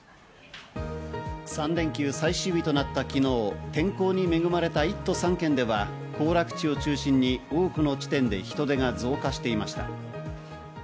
３連休最終日となった昨日、天候に恵まれた１都３県では行楽地を中心に多くの地点で人出が増加していました。